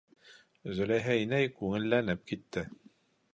Зөләйха инәй күңелләнеп китте: